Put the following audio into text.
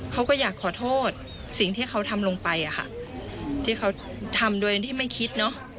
เขาก็อยากขอโทษสิ่งที่เขาถามลงไปที่เขาทำด้วยอย่างที่ไม่คิด